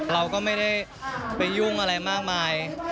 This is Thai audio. เราก็ไม่ได้ไปยุ่งอะไรมากมาย